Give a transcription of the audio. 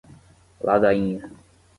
Ladainha